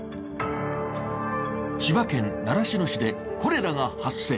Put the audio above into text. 千葉県習志野市でコレラが発生。